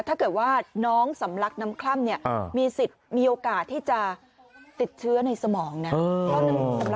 ถ้าเกิดว่าน้องสำลักน้ำคล่ำเนี่ยมีสิทธิ์มีโอกาสที่จะติดเชื้อในสมองนะ